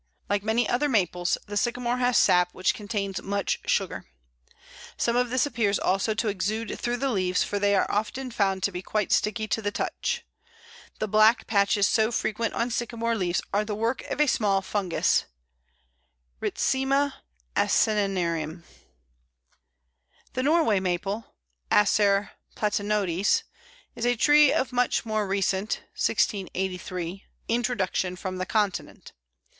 Like many other Maples, the Sycamore has sap which contains much sugar. Some of this appears also to exude through the leaves, for they are often found to be quite sticky to the touch. The black patches so frequent on Sycamore leaves are the work of a small fungus Rhytisma acerinum. The Norway Maple (Acer platanoides) is a tree of much more recent (1683) introduction from the Continent.